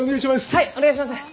はいお願いします！